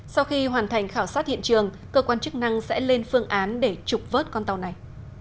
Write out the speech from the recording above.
sau khi hoàn thành khảo sát hiện trường cơ quan chức năng sẽ lên phương án để trục vớt con tàu này